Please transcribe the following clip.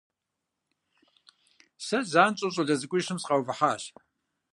Сэ занщӀэу щӀалэ цӀыкӀуищым сыкъаувыхьащ.